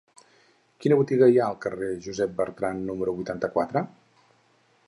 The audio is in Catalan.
Quina botiga hi ha al carrer de Josep Bertrand número vuitanta-quatre?